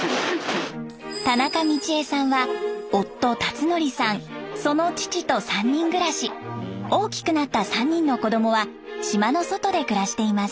田中美千枝さんは夫辰徳さんその父と３人暮らし。大きくなった３人の子供は島の外で暮らしています。